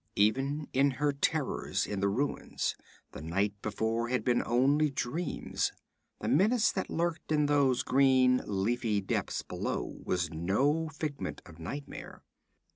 Even if her terrors in the ruins the night before had been only dreams, the menace that lurked in those green leafy depths below was no figment of nightmare.